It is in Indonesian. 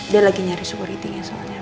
dia lagi nyari suku ritingnya soalnya